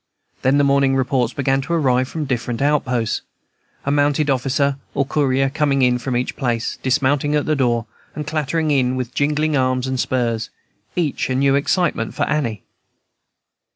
Then the morning reports began to arrive from the different outposts, a mounted officer or courier coming in from each place, dismounting at the door, and clattering in with jingling arms and spurs, each a new excitement for Annie.